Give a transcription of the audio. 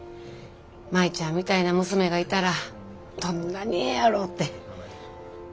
舞ちゃんみたいな娘がいたらどんなにええやろて。